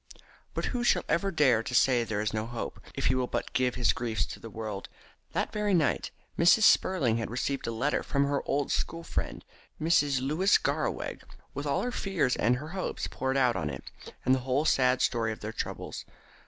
But who shall ever dare to say that there is no hope, if he will but give his griefs to the world? That very night Mrs. Spurling had received a letter from her old school friend, Mrs. Louis Garraweg, with all her fears and her hopes poured out in it, and the whole sad story of their troubles.